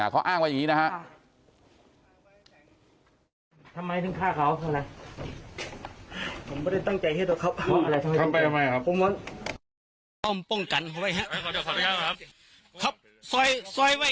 เขาอ้างว่าอย่างนี้นะครับ